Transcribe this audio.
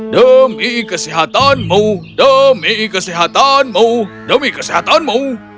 demi kesehatanmu demi kesehatanmu demi kesehatanmu